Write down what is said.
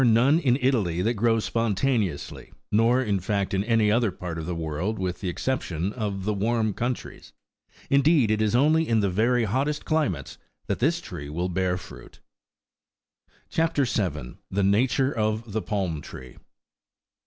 none in Italy that grow spontaneously, 10 nor, in fact, in any other part of the world, with the exception of the warm coun tries : indeed, it is only in the very hottest climates that this tree will bear fruit. CHAP. 7. THE NATURE OF THE PALM TEEE.